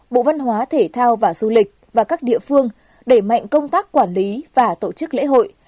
bộ văn hóa thể thao và du lịch và các địa phương đẩy mạnh công tác quản lý và tổ chức lễ hội